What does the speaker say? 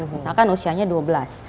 misalkan usianya dua belas